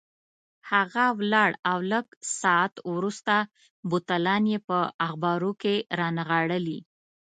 هغه ولاړ او لږ ساعت وروسته بوتلان یې په اخبارو کې رانغاړلي.